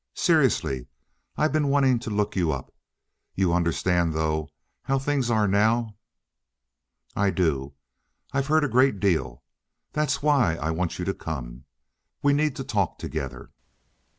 Seriously, I've been wanting to look you up. You understand though how things are now?" "I do. I've heard a great deal. That's why I want you to come. We need to talk together."